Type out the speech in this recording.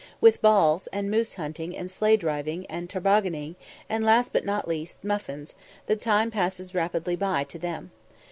With balls, and moose hunting, and sleigh driving, and "tarboggining," and, last but not least, "muffins," the time passes rapidly by to them.